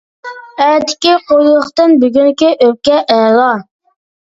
ئەتىكى قۇيرۇقتىن بۈگۈنكى ئۆپكە ئەلا.